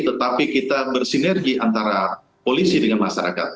tetapi kita bersinergi antara polisi dengan masyarakat